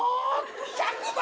１００倍！？